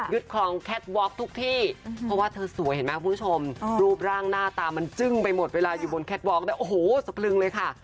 คลองแคทวอล์ทุกที่เพราะว่าเธอสวยเห็นไหมคุณผู้ชมรูปร่างหน้าตามันจึ้งไปหมดเวลาอยู่บนแคทวอล์ได้โอ้โหสะพลึงเลยค่ะ